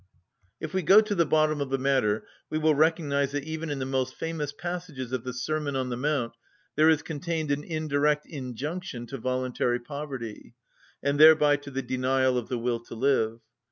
If we go to the bottom of the matter we will recognise that even in the most famous passages of the Sermon on the Mount there is contained an indirect injunction to voluntary poverty, and thereby to the denial of the will to live.